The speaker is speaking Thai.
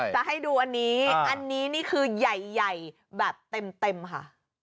จะให้ดูอันนี้อันนี้นี่คือใหญ่แบบเต็มค่ะ